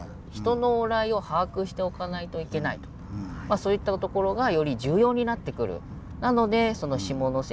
そういったところがより重要になってくる。